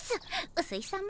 うすいさま